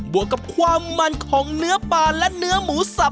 วกกับความมันของเนื้อปลาและเนื้อหมูสับ